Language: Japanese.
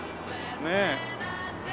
ねえ。